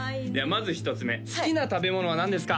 まず１つ目好きな食べ物は何ですか？